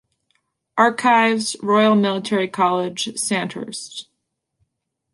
Archives, Royal Military College, Sandhurst.